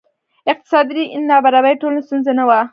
اقتصادي نابرابري ټولې ستونزې نه وه.